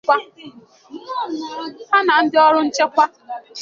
ha na ndị ọrụ nchekwa